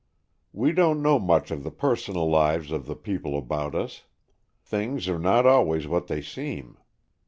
"We don't know much of the personal lives of the people about us. Things are not always what they seem."